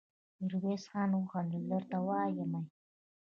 ميرويس خان وخندل: درته وايم يې!